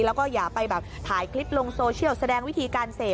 แล้วก็อย่าไปแบบถ่ายคลิปลงโซเชียลแสดงวิธีการเสพ